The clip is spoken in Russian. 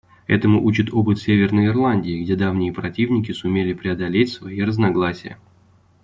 Этому учит опыт Северной Ирландии, где давние противники сумели преодолеть свои разногласия.